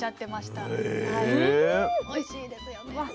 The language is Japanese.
おいしいですよね。